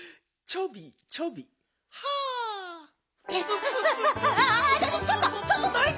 ちょっとちょっとどいて！